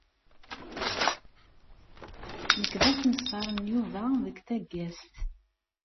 Nekk d aṣemṣar n Yuba deg taggazt.